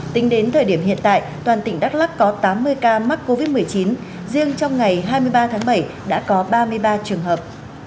tính đến thời điểm hiện tại toàn tỉnh đắk lắc có tám mươi ca mắc covid một mươi chín riêng trong ngày hai mươi ba tháng bảy đã có ba mươi ba trường hợp